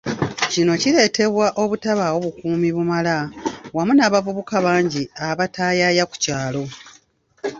Kino kiletebwa obutabawo bukuumi bumala wamu n'abavubuka bangi abataayaaya ku kyalo.